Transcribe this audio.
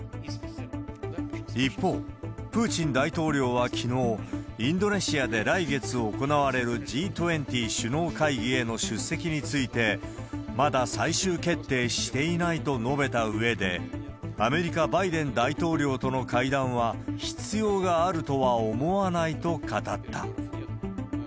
一方、プーチン大統領はきのう、インドネシアで来月行われるＧ２０首脳会議への出席について、まだ最終決定していないと述べたうえで、アメリカ、バイデン大統領との会談は、必要があるとは思わないと語った。